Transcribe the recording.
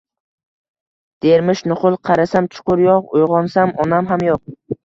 dermish nuqul. Qarasam, chuqur yo'q. Uyg'onsam, onam ham yo'q...